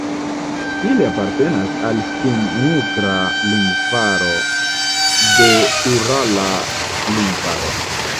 Ili apartenas al Finn-ugra lingvaro de Urala lingvaro.